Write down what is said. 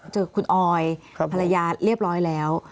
เจอคุณออยภรรยาเรียบร้อยแล้ว